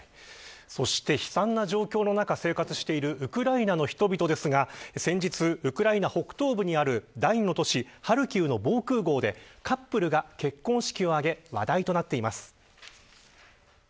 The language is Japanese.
そして、悲惨な状況の中で生活しているウクライナの人々ですが先日、ウクライナ北東部にある第２の都市ハルキウの防空壕でカップルが結婚式を挙げ話題となっています。